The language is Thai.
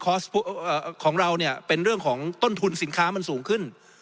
ของเราเนี่ยเป็นเรื่องของต้นทุนสินค้ามันสูงขึ้น